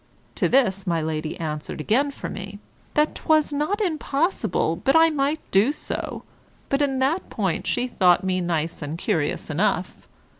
To this my Lady answered again for me, that 'twas not impossible but I might do so, but in that point she thought me nice and curious enough.